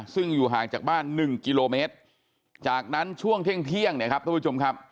ซึ่งอยู่ห่างจากบ้าน๑กิโลเมตรจากนั้นช่วงเที่ยงเนี่ยครับท่านผู้ชมครับ